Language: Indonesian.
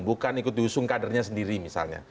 bukan ikut diusung kadernya sendiri misalnya